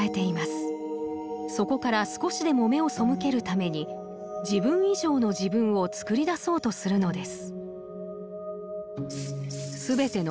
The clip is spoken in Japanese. そこから少しでも目を背けるために自分以上の自分をつくり出そうとするのです。